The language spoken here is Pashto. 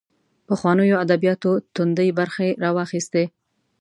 پخوانیو ادبیاتو توندۍ برخې راواخیستې